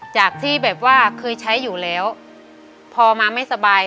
จากที่แบบว่าเคยใช้อยู่แล้วพอมาไม่สบาย